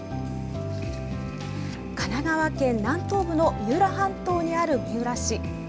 神奈川県南東部の三浦半島にある三浦市。